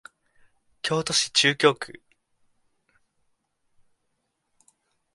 京都市中京区